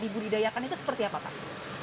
di budidayakan itu seperti apa pak